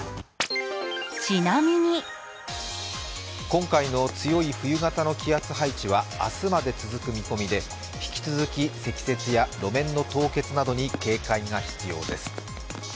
今回の強い冬型の気圧配置は明日まで続く見込みで引き続き、積雪や路面の凍結などに警戒が必要です。